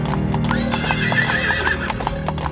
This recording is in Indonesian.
kau tidak berani